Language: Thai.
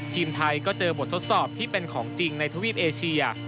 ทีมไทยก็เจอบททดสอบที่เป็นของจริงในทวีปเอเชีย